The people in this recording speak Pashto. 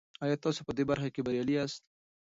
آیا تاسو په دې برخه کې بریالي یاست؟